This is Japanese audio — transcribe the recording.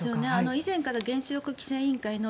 以前から原子力規制委員会の